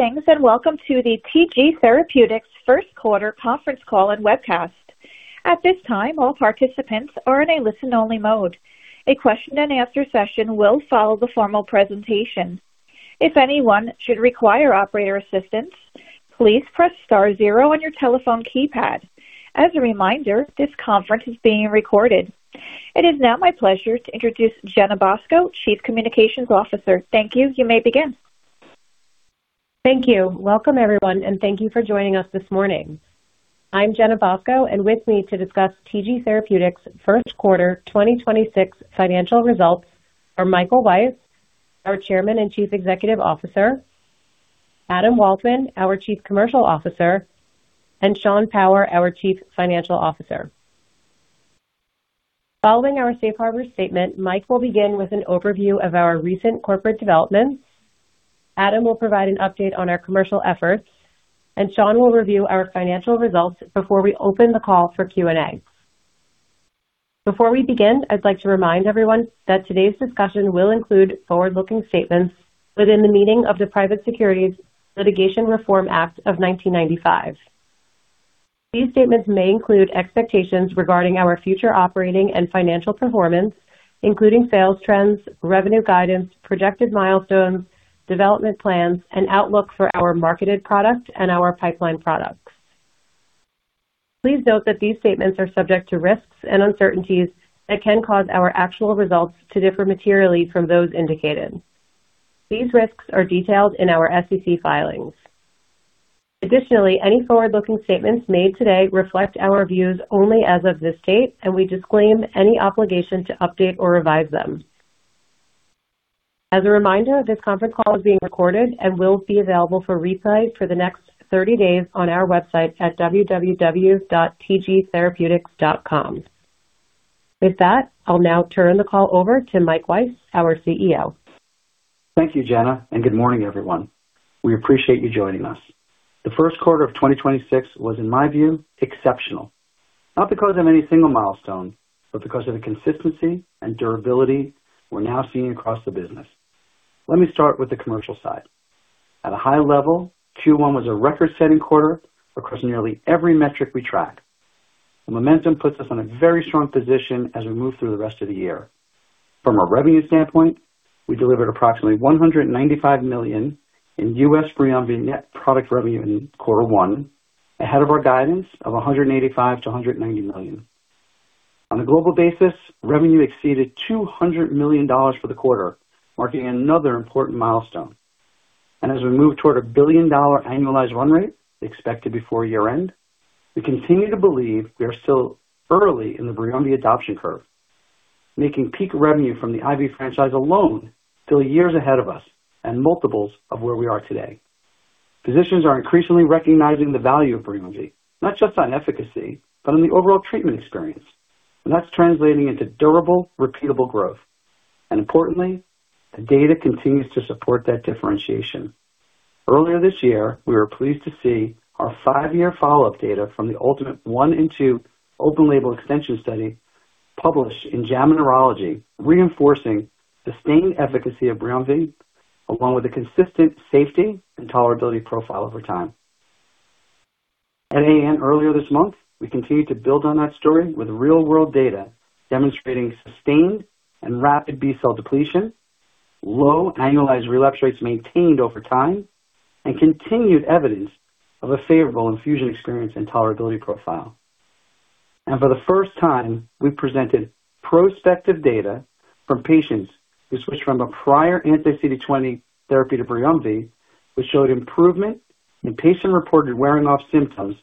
Greetings, and welcome to the TG Therapeutics first quarter conference call and webcast. At this time, all participants are in a listen-only mode. A question-and-answer session will follow the formal presentation. If anyone should require operator assistance, please press star zero on your telephone keypad. As a reminder, this conference is being recorded. It is now my pleasure to introduce Jenna Bosco, Chief Communications Officer. Thank you. You may begin. Thank you. Welcome, everyone, and thank you for joining us this morning. I'm Jenna Bosco, and with me to discuss TG Therapeutics' first quarter 2026 financial results are Michael Weiss, our Chairman and Chief Executive Officer, Adam Waldman, our Chief Commercial Officer, and Sean Power, our Chief Financial Officer. Following our safe harbor statement, Mike will begin with an overview of our recent corporate developments. Adam will provide an update on our commercial efforts, and Sean will review our financial results before we open the call for Q&A. Before we begin, I'd like to remind everyone that today's discussion will include forward-looking statements within the meaning of the Private Securities Litigation Reform Act of 1995. These statements may include expectations regarding our future operating and financial performance, including sales trends, revenue guidance, projected milestones, development plans, and outlook for our marketed products and our pipeline products. Please note that these statements are subject to risks and uncertainties that can cause our actual results to differ materially from those indicated. These risks are detailed in our SEC filings. Additionally, any forward-looking statements made today reflect our views only as of this date, and we disclaim any obligation to update or revise them. As a reminder, this conference call is being recorded and will be available for replay for the next 30 days on our website at www.tgtherapeutics.com. With that, I'll now turn the call over to Michael Weiss, our CEO. Thank you, Jenna, and good morning, everyone. We appreciate you joining us. The first quarter of 2026 was, in my view, exceptional, not because of any single milestone, but because of the consistency and durability we're now seeing across the business. Let me start with the commercial side. At a high level, Q1 was a record-setting quarter across nearly every metric we track. The momentum puts us in a very strong position as we move through the rest of the year. From a revenue standpoint, we delivered approximately $195 million in U.S. BRIUMVI net product revenue in Q1, ahead of our guidance of $185 million-$190 million. On a global basis, revenue exceeded $200 million for the quarter, marking another important milestone. As we move toward a $1 billion annualized run rate expected before year-end, we continue to believe we are still early in the BRIUMVI adoption curve, making peak revenue from the IV franchise alone still years ahead of us and multiples of where we are today. Physicians are increasingly recognizing the value of BRIUMVI, not just on efficacy, but on the overall treatment experience. That's translating into durable, repeatable growth. Importantly, the data continues to support that differentiation. Earlier this year, we were pleased to see our five-year follow-up data from the ULTIMATE I and II open label extension study published in JAMA Neurology, reinforcing sustained efficacy of BRIUMVI along with a consistent safety and tolerability profile over time. At AAN earlier this month, we continued to build on that story with real-world data demonstrating sustained and rapid B-cell depletion, low annualized relapse rates maintained over time, and continued evidence of a favorable infusion experience and tolerability profile. For the first time, we presented prospective data from patients who switched from a prior anti-CD20 therapy to BRIUMVI, which showed improvement in patient-reported wearing off symptoms,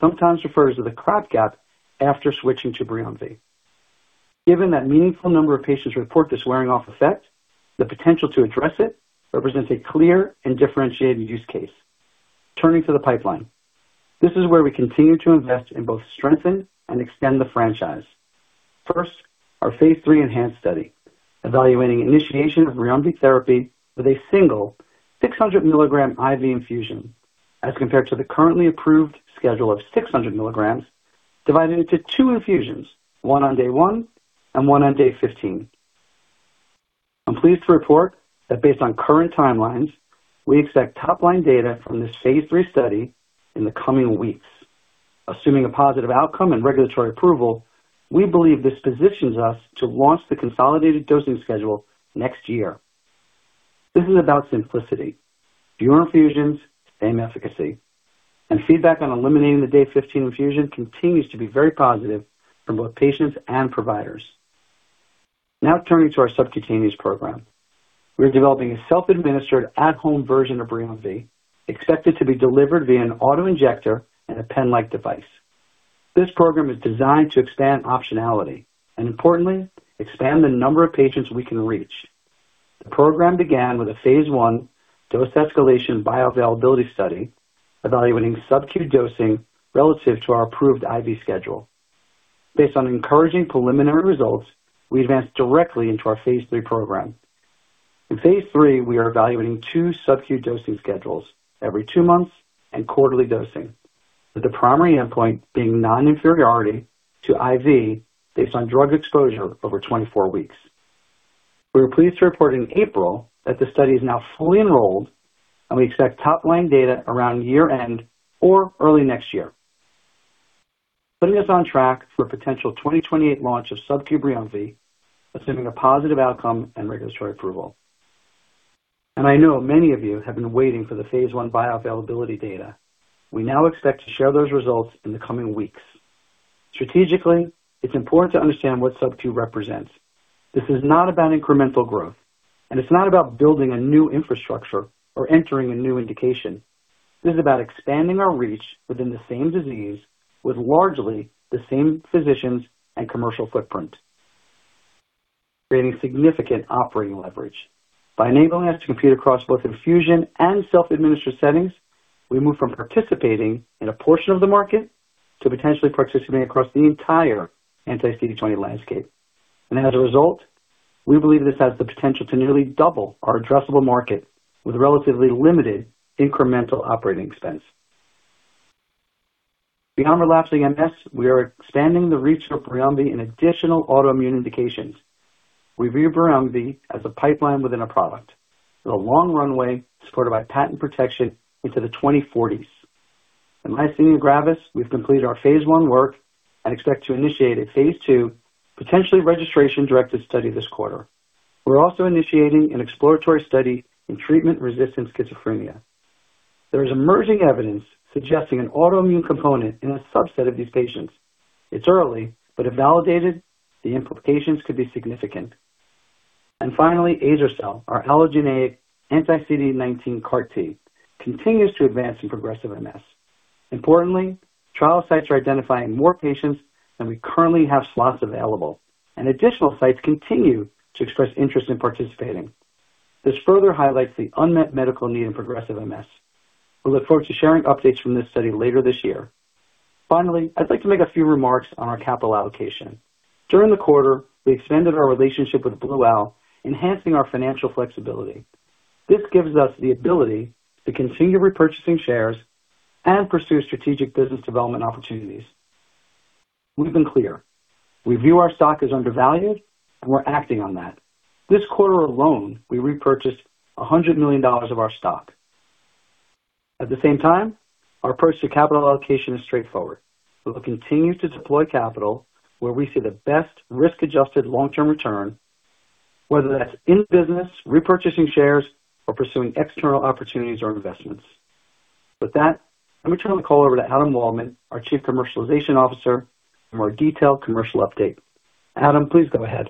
sometimes referred to the crap gap after switching to BRIUMVI. Given that meaningful number of patients report this wearing off effect, the potential to address it represents a clear and differentiated use case. Turning to the pipeline. This is where we continue to invest and both strengthen and extend the franchise. First, our phase III ENHANCE study evaluating initiation of BRIUMVI therapy with a single 600 mg IV infusion as compared to the currently approved schedule of 600 mg divided into two infusions, one on day one-and-one on day 15. I'm pleased to report that based on current timelines, we expect top-line data from this phase III study in the coming weeks. Assuming a positive outcome and regulatory approval, we believe this positions us to launch the consolidated dosing schedule next year. This is about simplicity, fewer infusions, same efficacy, and feedback on eliminating the day 15 infusion continues to be very positive for both patients and providers. Now turning to our subcutaneous program. We're developing a self-administered at home version of BRIUMVI expected to be delivered via an auto-injector and a pen-like device. This program is designed to expand optionality and importantly, expand the number of patients we can reach. The program began with a phase I dose escalation bioavailability study evaluating sub-Q dosing relative to our approved IV schedule. Based on encouraging preliminary results, we advanced directly into our phase III program. In phase III, we are evaluating two sub-Q dosing schedules every two months and quarterly dosing, with the primary endpoint being non-inferiority to IV based on drug exposure over 24 weeks. We were pleased to report in April that the study is now fully enrolled and we expect top line data around year end or early next year, putting us on track for a potential 2028 launch of sub-Q BRIUMVI, assuming a positive outcome and regulatory approval. I know many of you have been waiting for the phase I bioavailability data. We now expect to share those results in the coming weeks. Strategically, it is important to understand what sub-Q represents. This is not about incremental growth, and it is not about building a new infrastructure or entering a new indication. This is about expanding our reach within the same disease with largely the same physicians and commercial footprint, creating significant operating leverage. By enabling us to compete across both infusion and self-administered settings, we move from participating in a portion of the market to potentially participating across the entire anti-CD20 landscape. As a result, we believe this has the potential to nearly double our addressable market with relatively limited incremental operating expense. Beyond relapsing MS, we are expanding the reach of BRIUMVI in additional autoimmune indications. We view BRIUMVI as a pipeline within a product with a long runway supported by patent protection into the 2040s. In myasthenia gravis, we've completed our phase I work and expect to initiate a phase II potentially registration-directed study this quarter. We're also initiating an exploratory study in treatment-resistant schizophrenia. There is emerging evidence suggesting an autoimmune component in a subset of these patients. It's early, if validated, the implications could be significant. Finally, azer-cel, our allogeneic anti-CD19 CAR T, continues to advance in progressive MS. Importantly, trial sites are identifying more patients than we currently have slots available, and additional sites continue to express interest in participating. This further highlights the unmet medical need in progressive MS. We look forward to sharing updates from this study later this year. Finally, I'd like to make a few remarks on our capital allocation. During the quarter, we extended our relationship with Blue Owl, enhancing our financial flexibility. This gives us the ability to continue repurchasing shares and pursue strategic business development opportunities. We've been clear. We view our stock as undervalued and we're acting on that. This quarter alone, we repurchased $100 million of our stock. At the same time, our approach to capital allocation is straightforward. We will continue to deploy capital where we see the best risk-adjusted long-term return, whether that's in business, repurchasing shares, or pursuing external opportunities or investments. With that, let me turn the call over to Adam Waldman, our Chief Commercial Officer, for a more detailed commercial update. Adam, please go ahead.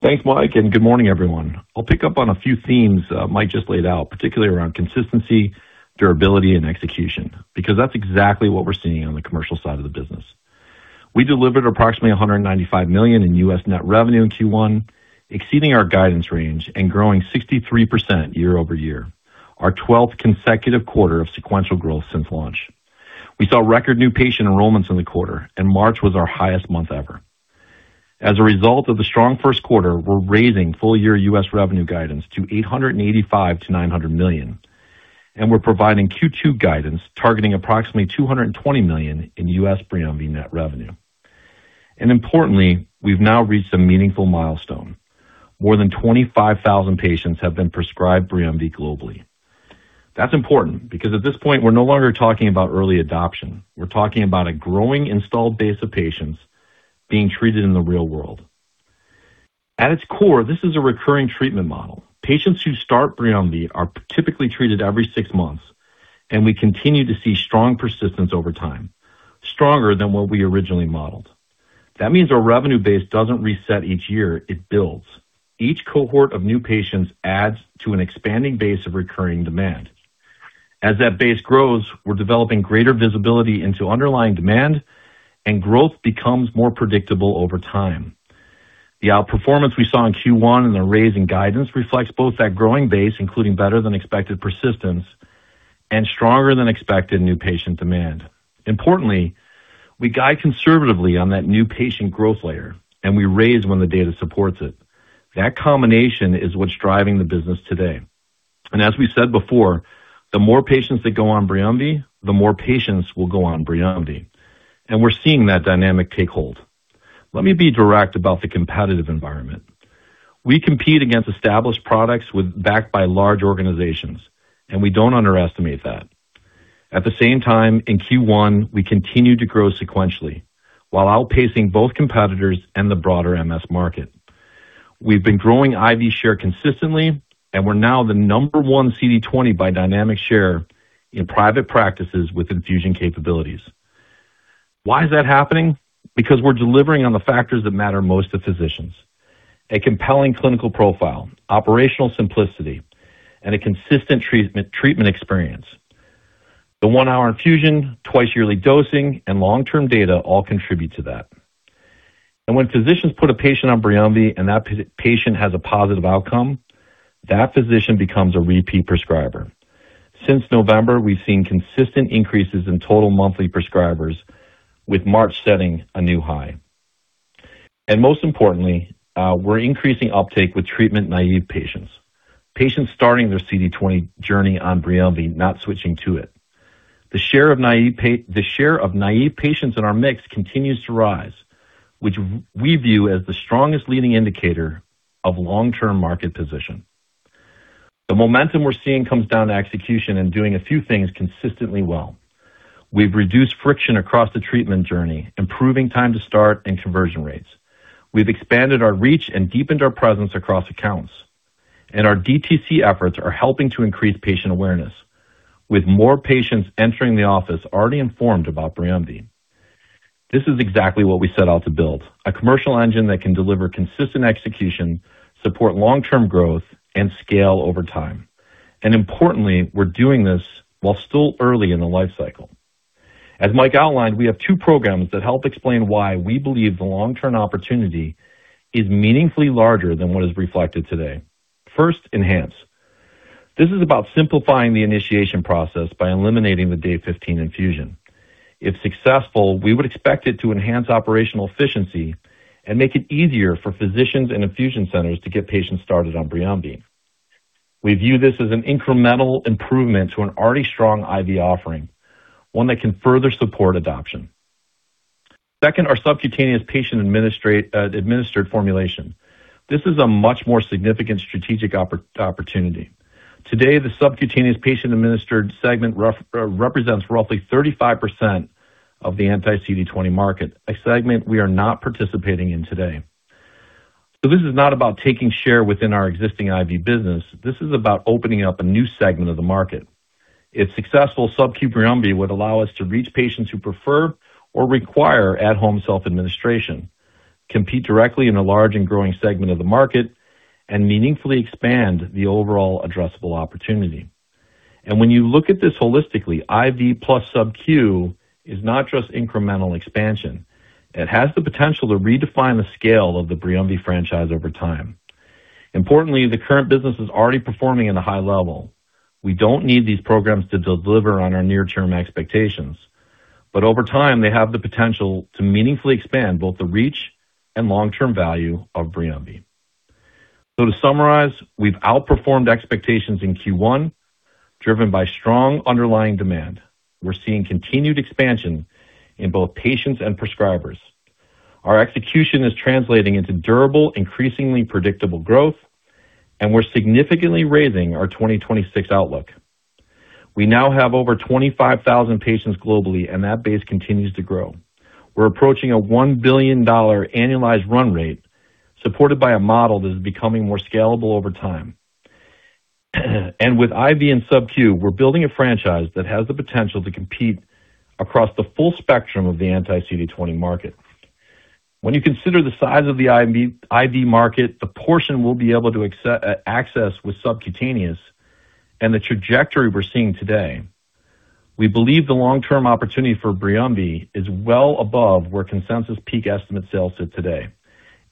Thanks, Mike. Good morning, everyone. I'll pick up on a few themes Mike just laid out, particularly around consistency, durability, and execution, because that's exactly what we're seeing on the commercial side of the business. We delivered approximately $195 million in U.S. net revenue in Q1, exceeding our guidance range and growing 63% year-over-year, our 12th consecutive quarter of sequential growth since launch. We saw record new patient enrollments in the quarter, and March was our highest month ever. As a result of the strong first quarter, we're raising full-year U.S. revenue guidance to $885 million-$900 million. We're providing Q2 guidance targeting approximately $220 million in U.S. BRIUMVI net revenue. Importantly, we've now reached a meaningful milestone. More than 25,000 patients have been prescribed BRIUMVI globally. That's important because at this point, we're no longer talking about early adoption. We're talking about a growing installed base of patients being treated in the real world. At its core, this is a recurring treatment model. Patients who start BRIUMVI are typically treated every six months, and we continue to see strong persistence over time, stronger than what we originally modeled. That means our revenue base doesn't reset each year, it builds. Each cohort of new patients adds to an expanding base of recurring demand. As that base grows, we're developing greater visibility into underlying demand and growth becomes more predictable over time. The outperformance we saw in Q1 and the raise in guidance reflects both that growing base, including better than expected persistence and stronger than expected new patient demand. Importantly, we guide conservatively on that new patient growth layer, and we raise when the data supports it. That combination is what's driving the business today. As we said before, the more patients that go on BRIUMVI, the more patients will go on BRIUMVI. We're seeing that dynamic take hold. Let me be direct about the competitive environment. We compete against established products with backed by large organizations, and we don't underestimate that. At the same time, in Q1, we continued to grow sequentially while outpacing both competitors and the broader MS market. We've been growing IV share consistently, and we're now the number one CD20 by dynamic share in private practices with infusion capabilities. Why is that happening? Because we're delivering on the factors that matter most to physicians: a compelling clinical profile, operational simplicity, and a consistent treatment experience. The one-hour infusion, twice-yearly dosing, and long-term data all contribute to that. When physicians put a patient on BRIUMVI and that patient has a positive outcome, that physician becomes a repeat prescriber. Since November, we've seen consistent increases in total monthly prescribers with March setting a new high. Most importantly, we're increasing uptake with treatment-naive patients starting their CD20 journey on BRIUMVI, not switching to it. The share of naive patients in our mix continues to rise, which we view as the strongest leading indicator of long-term market position. The momentum we're seeing comes down to execution and doing a few things consistently well. We've reduced friction across the treatment journey, improving time to start and conversion rates. We've expanded our reach and deepened our presence across accounts. Our DTC efforts are helping to increase patient awareness, with more patients entering the office already informed about BRIUMVI. This is exactly what we set out to build: a commercial engine that can deliver consistent execution, support long-term growth, and scale over time. Importantly, we're doing this while still early in the life cycle. As Mike outlined, we have two programs that help explain why we believe the long-term opportunity is meaningfully larger than what is reflected today. First, ENHANCE. This is about simplifying the initiation process by eliminating the day 15 infusion. If successful, we would expect it to enhance operational efficiency and make it easier for physicians and infusion centers to get patients started on BRIUMVI. We view this as an incremental improvement to an already strong IV offering, one that can further support adoption. Second, our subcutaneous patient administered formulation. This is a much more significant strategic opportunity. Today, the subcutaneous patient-administered segment represents roughly 35% of the anti-CD20 market, a segment we are not participating in today. This is not about taking share within our existing IV business. This is about opening up a new segment of the market. If successful, subcu BRIUMVI would allow us to reach patients who prefer or require at-home self-administration, compete directly in a large and growing segment of the market, and meaningfully expand the overall addressable opportunity. When you look at this holistically, IV plus sub-Q is not just incremental expansion. It has the potential to redefine the scale of the BRIUMVI franchise over time. Importantly, the current business is already performing at a high level. We don't need these programs to deliver on our near-term expectations. Over time, they have the potential to meaningfully expand both the reach and long-term value of BRIUMVI. To summarize, we've outperformed expectations in Q1, driven by strong underlying demand. We're seeing continued expansion in both patients and prescribers. Our execution is translating into durable, increasingly predictable growth, and we're significantly raising our 2026 outlook. We now have over 25,000 patients globally, and that base continues to grow. We're approaching a $1 billion annualized run rate, supported by a model that is becoming more scalable over time. With IV and sub-Q, we're building a franchise that has the potential to compete across the full spectrum of the anti-CD20 market. When you consider the size of the IV market, the portion we'll be able to access with subcutaneous and the trajectory we're seeing today, we believe the long-term opportunity for BRIUMVI is well above where consensus peak estimate sales sit today,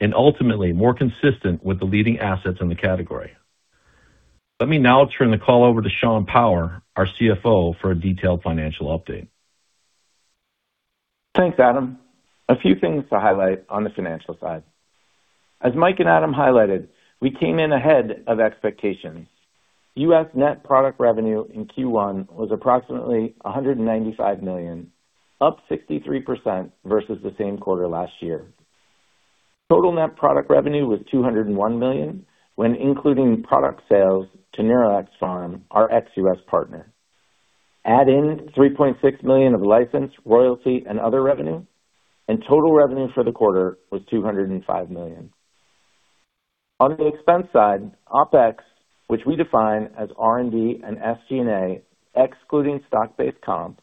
and ultimately more consistent with the leading assets in the category. Let me now turn the call over to Sean Power, our CFO, for a detailed financial update. Thanks, Adam. A few things to highlight on the financial side. As Mike and Adam highlighted, we came in ahead of expectations. U.S. net product revenue in Q1 was approximately $195 million, up 63% versus the same quarter last year. Total net product revenue was $201 million when including product sales to Neuraxpharm, our ex-U.S. partner. Add in $3.6 million of license, royalty, and other revenue, and total revenue for the quarter was $205 million. On the expense side, OpEx, which we define as R&D and SG&A, excluding stock-based comp,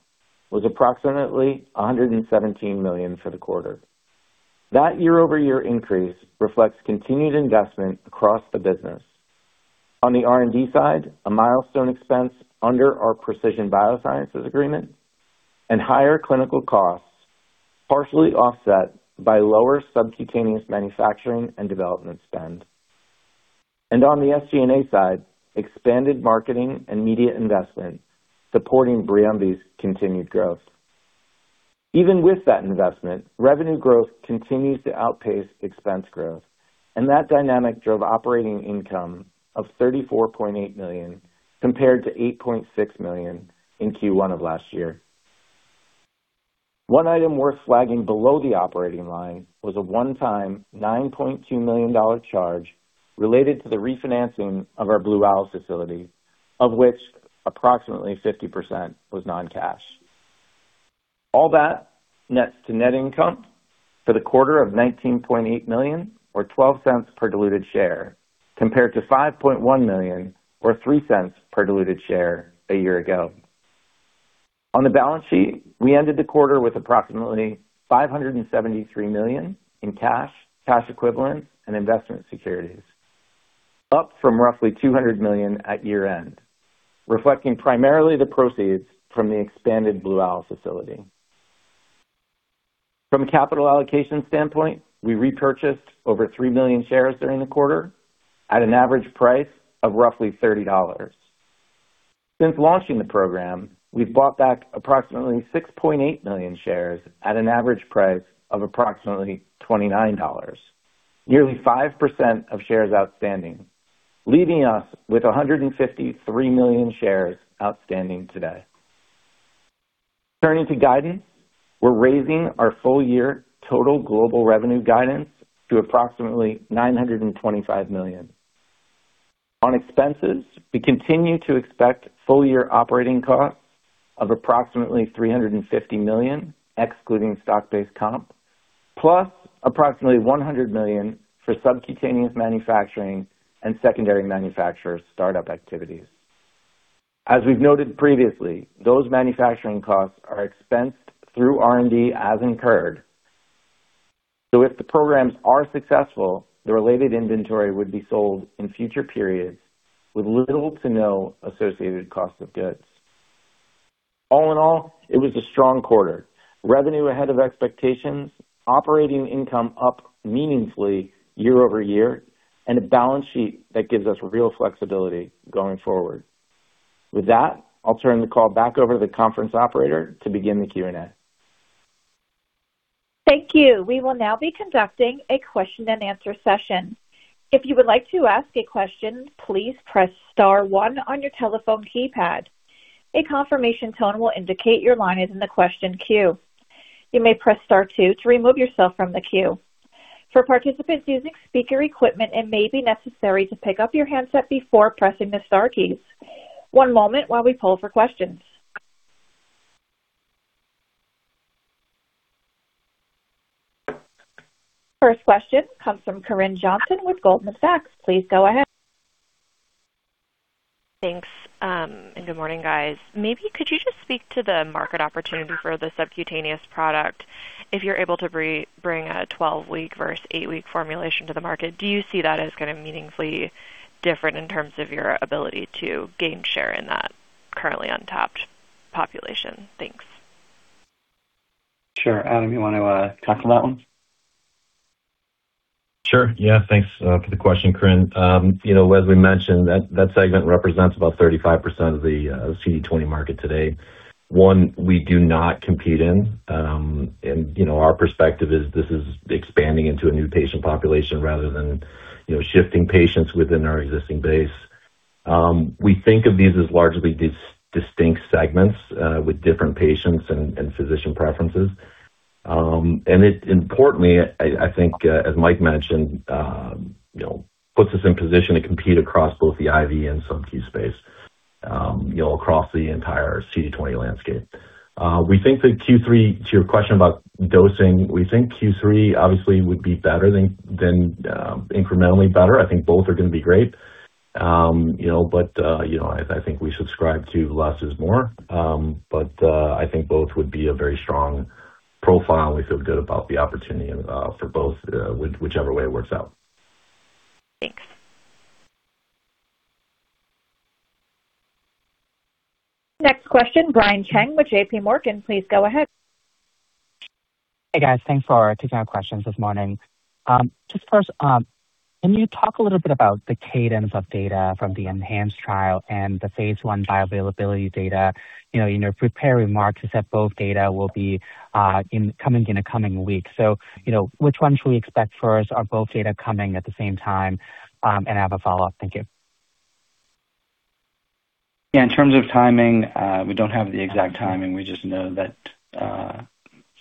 was approximately $117 million for the quarter. That year-over-year increase reflects continued investment across the business. On the R&D side, a milestone expense under our Precision BioSciences agreement and higher clinical costs, partially offset by lower subcutaneous manufacturing and development spend. On the SG&A side, expanded marketing and media investment supporting BRIUMVI's continued growth. Even with that investment, revenue growth continues to outpace expense growth, and that dynamic drove operating income of $34.8 million, compared-$8.6 million in Q1 of last year. One item worth flagging below the operating line was a one-time $9.2 million charge related to the refinancing of our Blue Owl facility, of which approximately 50% was non-cash. All that nets to net income for the quarter of $19.8 million or $0.12 per diluted share, compared to $5.1 million or $0.03 per diluted share a year ago. On the balance sheet, we ended the quarter with approximately $573 million in cash equivalents, and investment securities, up from roughly $200 million at year-end, reflecting primarily the proceeds from the expanded Blue Owl Capital facility. From a capital allocation standpoint, we repurchased over 3 million shares during the quarter at an average price of roughly $30. Since launching the program, we've bought back approximately 6.8 million shares at an average price of approximately $29, nearly 5% of shares outstanding. Leaving us with 153 million shares outstanding today. Turning to guidance, we're raising our full-year total global revenue guidance to approximately $925 million. On expenses, we continue to expect full-year operating costs of approximately $350 million, excluding stock-based comp, plus approximately $100 million for subcutaneous manufacturing and secondary manufacturer startup activities. As we've noted previously, those manufacturing costs are expensed through R&D as incurred. If the programs are successful, the related inventory would be sold in future periods with little to no associated cost of goods. All in all, it was a strong quarter. Revenue ahead of expectations, operating income up meaningfully year-over-year, and a balance sheet that gives us real flexibility going forward. With that, I'll turn the call back over to the conference operator to begin the Q&A. Thank you. We will now be conducting a question-and-answer session. If you would like to ask a question, please press star one on your telephone keypad. A confirmation tone will indicate your line is in the question queue. You may press star two to remove yourself from the queue. For participants using speaker equipment, it may be necessary to pick up your handset before pressing the star keys. One moment while we poll for questions. First question comes from Corinne Johnson with Goldman Sachs. Please go ahead. Thanks, and good morning, guys. Maybe could you just speak to the market opportunity for the subcutaneous product? If you're able to bring a 12-week versus eight-week formulation to the market, do you see that as kind of meaningfully different in terms of your ability to gain share in that currently untapped population? Thanks. Sure. Adam, you wanna tackle that one? Sure. Yeah. Thanks for the question, Corinne. You know, as we mentioned, that segment represents about 35% of the CD20 market today. One we do not compete in, and you know, our perspective is this is expanding into a new patient population rather than you know, shifting patients within our existing base. We think of these as largely distinct segments with different patients and physician preferences. It importantly, I think, as Mike mentioned, you know, puts us in position to compete across both the IV and sub-Q space, you know, across the entire CD20 landscape. We think that Q3, to your question about dosing, we think Q3 obviously would be better than incrementally better. I think both are gonna be great. You know, but you know, I think we subscribe to less is more. I think both would be a very strong profile, and we feel good about the opportunity for both, whichever way it works out. Thanks. Next question, Brian Cheng with JPMorgan. Please go ahead. Hey, guys. Thanks for taking our questions this morning. Just first, can you talk a little bit about the cadence of data from the ENHANCE trial and the phase I bioavailability data? You know, in your prepared remarks, you said both data will be in the coming weeks. You know, which one should we expect first? Are both data coming at the same time? I have a follow-up. Thank you. Yeah. In terms of timing, we don't have the exact timing. We just know that,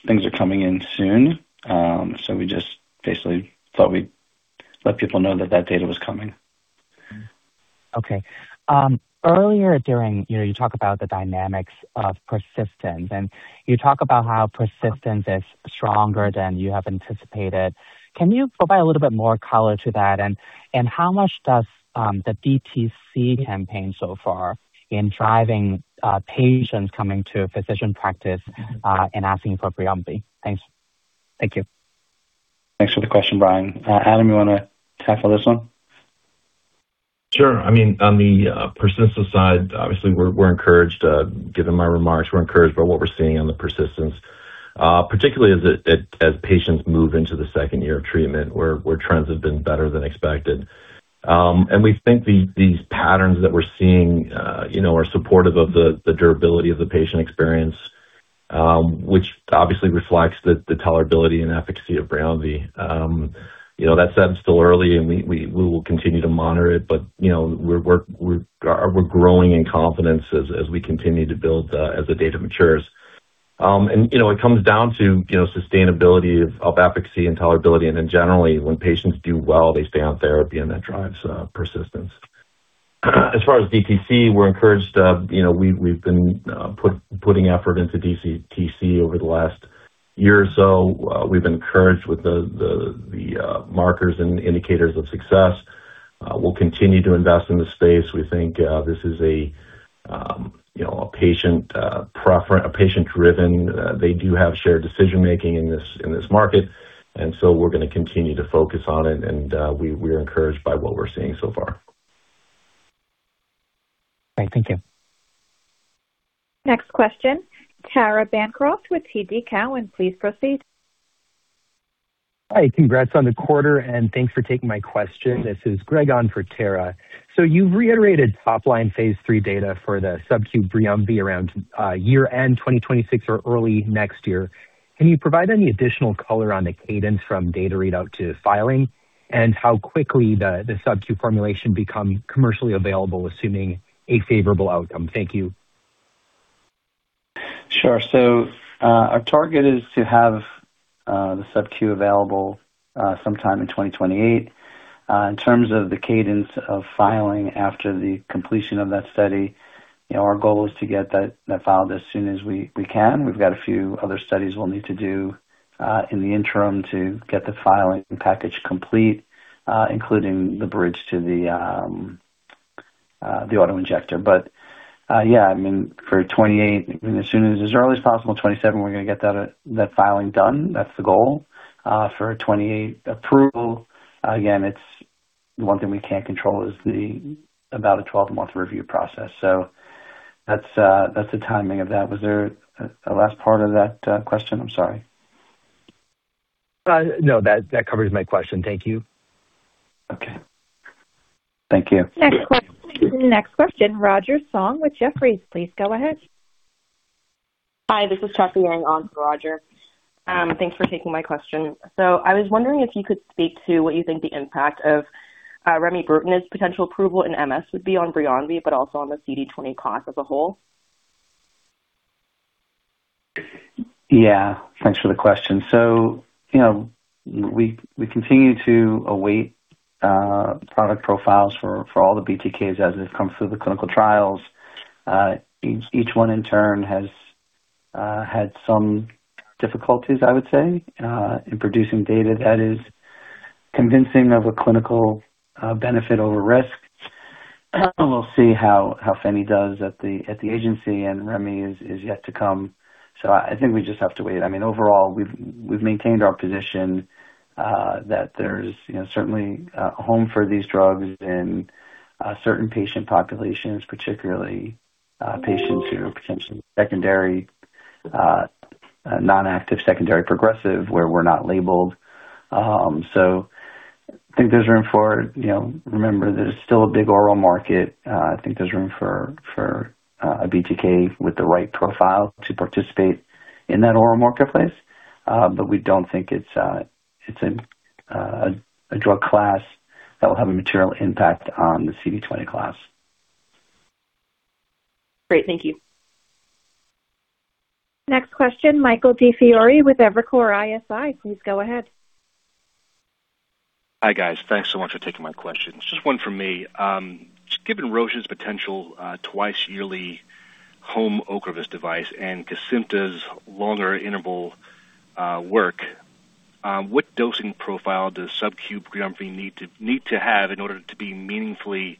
things are coming in soon. We just basically thought we'd let people know that that data was coming. Okay. You know, you talked about the dynamics of persistence, and you talked about how persistence is stronger than you have anticipated. Can you provide a little bit more color to that? And how much does the DTC campaign so far in driving patients coming to a physician practice and asking for BRIUMVI? Thanks. Thank you. Thanks for the question, Brian. Adam, you wanna tackle this one? Sure. I mean, on the persistence side, obviously we're encouraged. Given my remarks, we're encouraged by what we're seeing on the persistence, particularly as patients move into the second year of treatment, where trends have been better than expected. We think these patterns that we're seeing, you know, are supportive of the durability of the patient experience, which obviously reflects the tolerability and efficacy of BRIUMVI. You know, that said, it's still early, and we will continue to monitor it. But, you know, we're growing in confidence as we continue to build as the data matures. You know, it comes down to, you know, sustainability of efficacy and tolerability. Generally, when patients do well, they stay on therapy, and that drives persistence. As far as DTC, we're encouraged. You know, we've been putting effort into DTC over the last year or so. We've been encouraged with the markers and indicators of success. We'll continue to invest in the space. We think this is a patient-driven. They do have shared decision-making in this market. We're gonna continue to focus on it, and we're encouraged by what we're seeing so far. Great. Thank you. Next question, Tara Bancroft with TD Cowen. Please proceed. Hi. Congrats on the quarter, and thanks for taking my question. This is Greg on for Tara. You've reiterated top-line phase III data for the sub-Q BRIUMVI around year-end 2026 or early next year. Can you provide any additional color on the cadence from data readout to filing and how quickly the sub-Q formulation become commercially available, assuming a favorable outcome? Thank you. Sure. Our target is to have the sub-Q available sometime in 2028. In terms of the cadence of filing after the completion of that study, you know, our goal is to get that filed as soon as we can. We've got a few other studies we'll need to do in the interim to get the filing package complete, including the bridge to the auto-injector. But yeah, I mean, for 2028, as early as possible, 2027, we're gonna get that filing done. That's the goal. For 2028 approval, again, it's one thing we can't control is the about a 12-month review process. So that's the timing of that. Was there a last part of that question? I'm sorry. No. That covers my question. Thank you. Okay. Thank you. Next question. Next question, Roger Song with Jefferies. Please go ahead. Hi, this is Cha Cha Yang on for Roger. Thanks for taking my question. I was wondering if you could speak to what you think the impact of remibrutinib's potential approval in MS would be on BRIUMVI, but also on the CD20 class as a whole. Yeah. Thanks for the question. You know, we continue to await product profiles for all the BTKs as it comes through the clinical trials. Each one in turn has had some difficulties, I would say, in producing data that is convincing of a clinical benefit over risk. We'll see how fenebrutinib does at the agency, and remibrutinib is yet to come. I think we just have to wait. I mean, overall, we've maintained our position that there's, you know, certainly a home for these drugs in certain patient populations, particularly patients who are potentially secondary non-active secondary progressive, where we're not labeled. I think there's room for you know, remember, there's still a big oral market. I think there's room for a BTK with the right profile to participate in that oral marketplace. We don't think it's a drug class that will have a material impact on the CD20 class. Great. Thank you. Next question, Michael DiFiore with Evercore ISI. Please go ahead. Hi, guys. Thanks so much for taking my questions. Just one from me. Given Roche's potential twice yearly home Ocrevus device and Kesimpta's longer interval work, what dosing profile does sub-Q BRIUMVI need to have in order to be meaningfully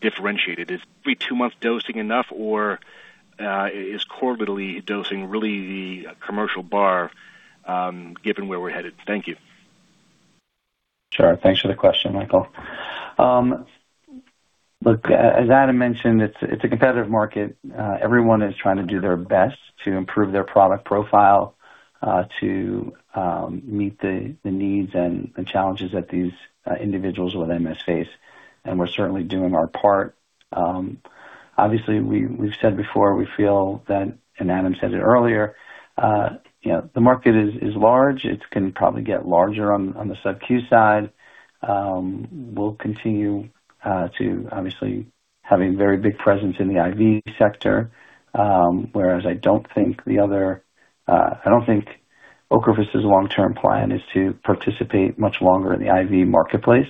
differentiated? Is every two-month dosing enough, or is quarterly dosing really the commercial bar, given where we're headed? Thank you. Sure. Thanks for the question, Michael. As Adam mentioned, it's a competitive market. Everyone is trying to do their best to improve their product profile to meet the needs and challenges that these individuals with MS face, and we're certainly doing our part. Obviously, we've said before we feel that, and Adam said it earlier, you know, the market is large. It can probably get larger on the sub-Q side. We'll continue to obviously have a very big presence in the IV sector. Whereas I don't think Ocrevus's long-term plan is to participate much longer in the IV marketplace.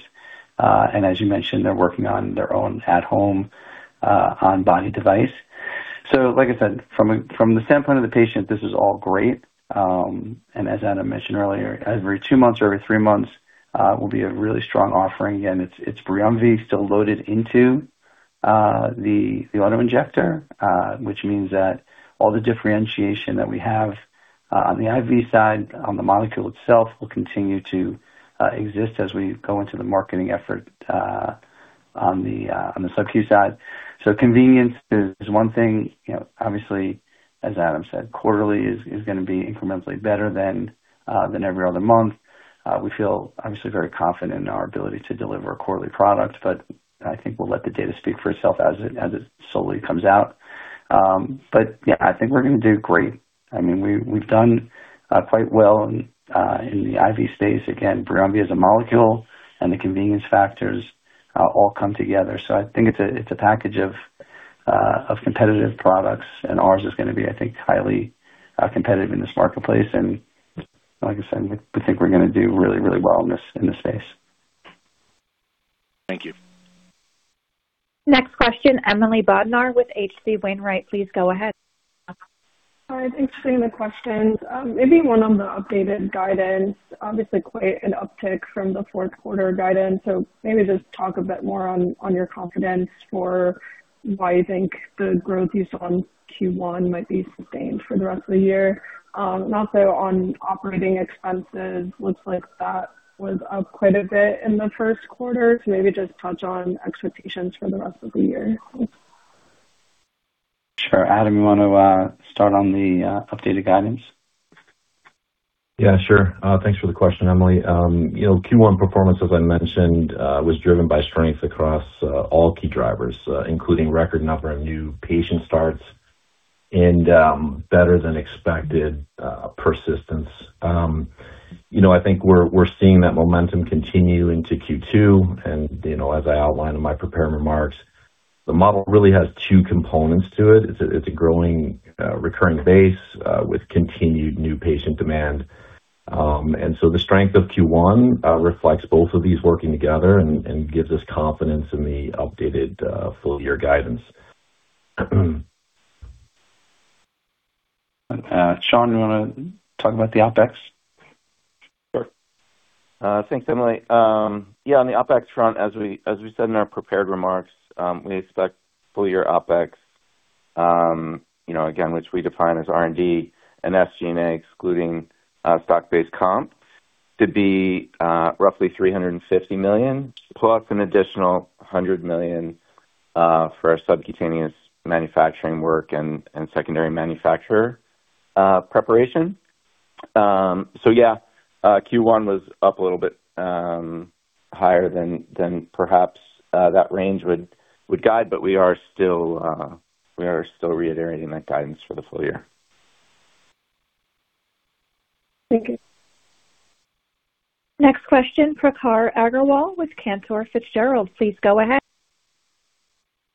As you mentioned, they're working on their own at-home on-body device. Like I said, from the standpoint of the patient, this is all great. As Adam Waldman mentioned earlier, every two-months or every three-months will be a really strong offering. Again, it's BRIUMVI still loaded into the auto-injector, which means that all the differentiation that we have on the IV side on the molecule itself will continue to exist as we go into the marketing effort on the sub-Q side. Convenience is one thing. You know, obviously, as Adam Waldman said, quarterly is gonna be incrementally better than every other month. We feel obviously very confident in our ability to deliver a quarterly product, but I think we'll let the data speak for itself as it slowly comes out. Yeah, I think we're gonna do great. I mean, we've done quite well in the IV space. Again, BRIUMVI as a molecule and the convenience factors all come together. I think it's a package of competitive products, and ours is gonna be, I think, highly competitive in this marketplace. Like I said, we think we're gonna do really well in this space. Thank you. Next question, Emily Bodnar with H.C. Wainwright. Please go ahead. Hi. Thanks for taking the questions. Maybe one on the updated guidance. Obviously quite an uptick from the fourth quarter guidance, so maybe just talk a bit more on your confidence for why you think the growth you saw in Q1 might be sustained for the rest of the year. Also on operating expenses, looks like that was up quite a bit in the first quarter, so maybe just touch on expectations for the rest of the year. Sure. Adam, you wanna start on the updated guidance? Yeah, sure. Thanks for the question, Emily. You know, Q1 performance, as I mentioned, was driven by strength across all key drivers, including record number of new patient starts and better than expected persistence. You know, I think we're seeing that momentum continue into Q2. You know, as I outlined in my prepared remarks, the model really has two components to it. It's a growing recurring base with continued new patient demand. The strength of Q1 reflects both of these working together and gives us confidence in the updated full-year guidance. Sean, you wanna talk about the OpEx? Sure. Thanks, Emily. Yeah, on the OpEx front, as we said in our prepared remarks, we expect full-year OpEx, you know, again, which we define as R&D and SG&A, excluding stock-based comp, to be roughly $350 million, plus an additional $100 million for our subcutaneous manufacturing work and secondary manufacturer preparation. Yeah, Q1 was up a little bit higher than perhaps that range would guide, but we are still reiterating that guidance for the full-year. Thank you. Next question, Prakhar Agrawal with Cantor Fitzgerald, please go ahead.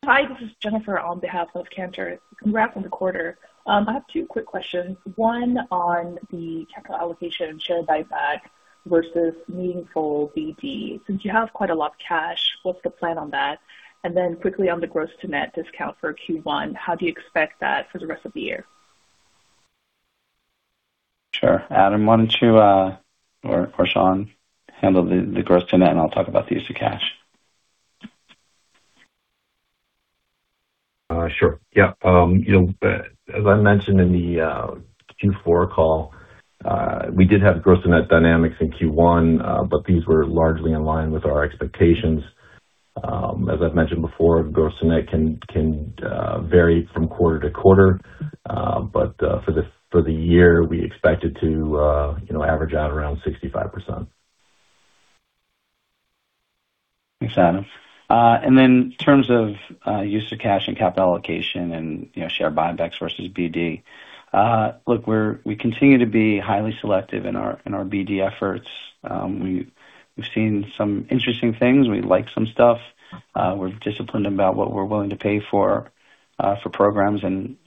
Hi, this is Jennifer on behalf of Cantor. Congrats on the quarter. I have two quick questions. One on the capital allocation share buyback versus meaningful BD. Since you have quite a lot of cash, what's the plan on that? Quickly on the gross to net discount for Q1, how do you expect that for the rest of the year? Sure. Adam, why don't you or Sean handle the gross to net, and I'll talk about the use of cash. Sure. Yeah. You know, as I mentioned in the Q4 call, we did have gross to net dynamics in Q1, but these were largely in line with our expectations. As I've mentioned before, gross to net can vary from quarter to quarter. For the year, we expect it to, you know, average out around 65%. Thanks, Adam. In terms of use of cash and capital allocation and, you know, share buybacks versus BD. Look, we continue to be highly selective in our BD efforts. We've seen some interesting things. We like some stuff. We're disciplined about what we're willing to pay for programs and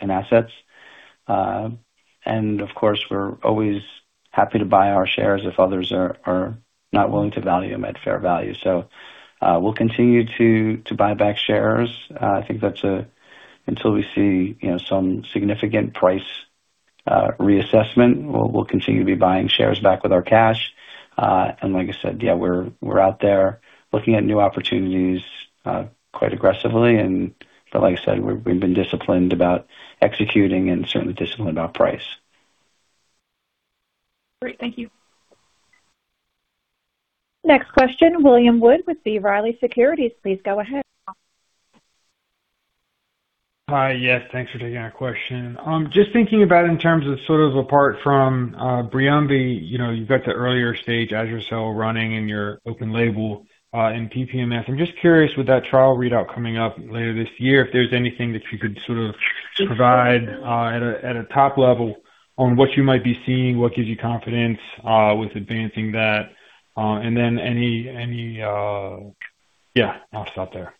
assets. Of course, we're always happy to buy our shares if others are not willing to value them at fair value. We'll continue to buy back shares. Until we see, you know, some significant price reassessment, we'll continue to be buying shares back with our cash. Like I said, yeah, we're out there looking at new opportunities quite aggressively. Like I said, we've been disciplined about executing and certainly disciplined about price. Great. Thank you. Next question, William Wood with B. Riley Securities. Please go ahead. Hi. Yes, thanks for taking our question. Just thinking about in terms of sort of apart from BRIUMVI, you know, you've got the earlier stage, azer-cel, running in your open label, in PPMS. I'm just curious, with that trial readout coming up later this year, if there's anything that you could sort of provide, at a, at a top level on what you might be seeing, what gives you confidence, with advancing that, and then any, Yeah, I'll stop there.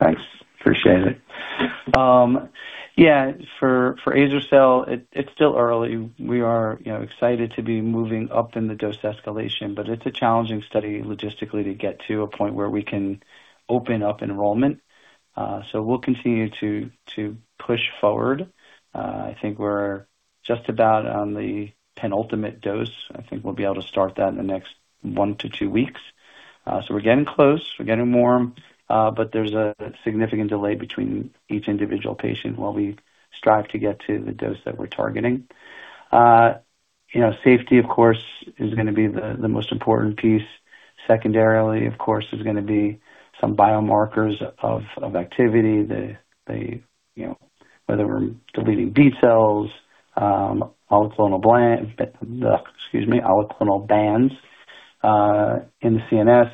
Thanks. Appreciate it. Yeah, for azer-cel, it's still early. We are you know excited to be moving up in the dose escalation, but it's a challenging study logistically to get to a point where we can open up enrollment. So we'll continue to push forward. I think we're just about on the penultimate dose. I think we'll be able to start that in the next one to two weeks. So we're getting close, we're getting warm, but there's a significant delay between each individual patient while we strive to get to the dose that we're targeting. You know, safety, of course, is gonna be the most important piece. Secondarily, of course, is gonna be some biomarkers of activity. You know whether we're deleting B cells, oligoclonal bands in the CNS.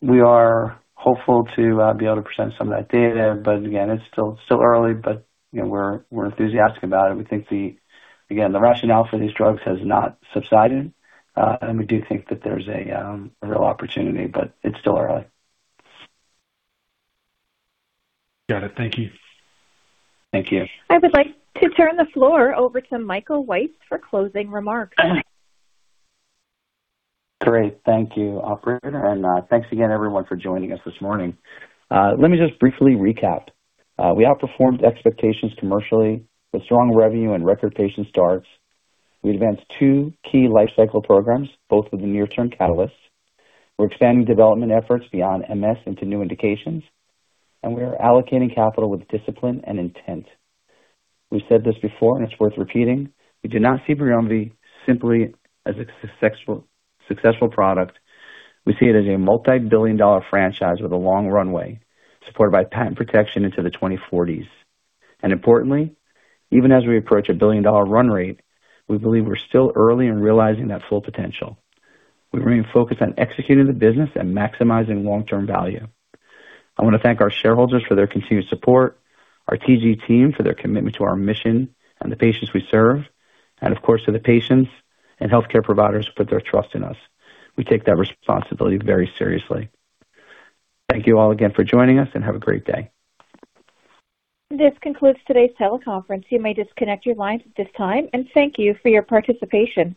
We are hopeful to be able to present some of that data, but again, it's still early. You know, we're enthusiastic about it. We think again, the rationale for these drugs has not subsided. We do think that there's a real opportunity, but it's still early. Got it. Thank you. Thank you. I would like to turn the floor over to Michael Weiss for closing remarks. Great. Thank you, operator. Thanks again everyone for joining us this morning. Let me just briefly recap. We outperformed expectations commercially with strong revenue and record patient starts. We advanced two key life cycle programs, both with the near-term catalysts. We're expanding development efforts beyond MS into new indications, and we are allocating capital with discipline and intent. We've said this before, and it's worth repeating, we do not see BRIUMVI simply as a successful product. We see it as a multi-billion dollar franchise with a long runway, supported by patent protection into the 2040s. Importantly, even as we approach a billion-dollar run rate, we believe we're still early in realizing that full potential. We remain focused on executing the business and maximizing long-term value. I wanna thank our shareholders for their continued support, our TG team for their commitment to our mission and the patients we serve, and of course, to the patients and healthcare providers who put their trust in us. We take that responsibility very seriously. Thank you all again for joining us, and have a great day. This concludes today's teleconference. You may disconnect your lines at this time, and thank you for your participation.